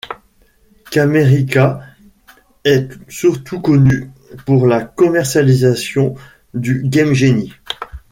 Camerica est surtout connue pour la commercialisation du Game Genie.